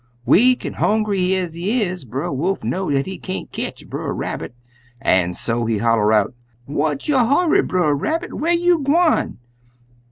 Weak an' hongry ez he is, Brer Wolf know dat he can't ketch Brer Rabbit, an' so he holler out, 'What's yo' hurry, Brer Rabbit? Whar you gwine?'